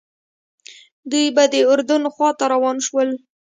دوی به د اردن خواته روان شول.